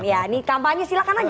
ya ini kampanye silahkan aja